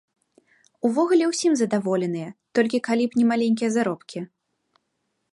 Увогуле ўсім задаволеныя, толькі калі б не маленькія заробкі.